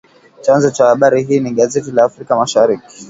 Chanzo cha habari hii ni gazeti la Afrika Mashariki